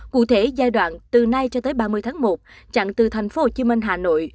cụ thể giai đoạn từ nay cho tới ba mươi tháng một chặng từ thành phố hồ chí minh hà nội